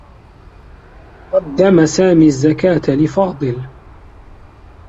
قدّم سامي الزّكاة لفاضل.